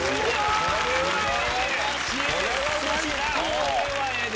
これはええで！